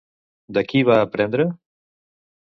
De qui va aprendre?